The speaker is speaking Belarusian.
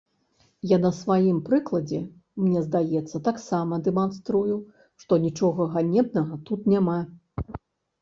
Я на сваім прыкладзе, мне здаецца, таксама дэманструю, што нічога ганебнага тут няма.